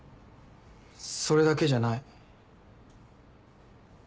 それだけじゃない。